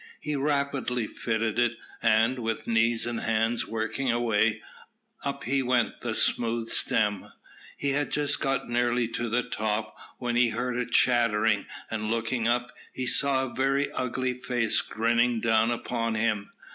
He rapidly fitted it, and, with knees and hands working away, up he went the smooth stem. He had got nearly to the top, when he heard a chattering, and looking up, he saw a very ugly face grinning down upon him.